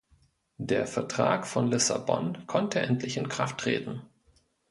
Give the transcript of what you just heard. Der Vertrag von Lissabon konnte endlich in Kraft treten.